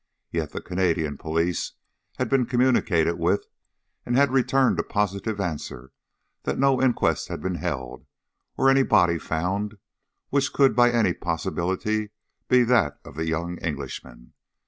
Yet the Canadian police had been communicated with, and had returned a positive answer that no inquest had been held, or any body found, which could by any possibility be that of the young Englishman.